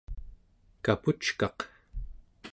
kapuckaq